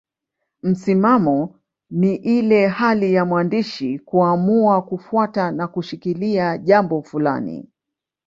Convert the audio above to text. Msimamo ni ile hali ya mwandishi kuamua kufuata na kushikilia jambo fulani.